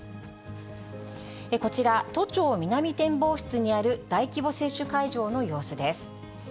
こちら、都庁南展望室にある大規模接種会場の様子です。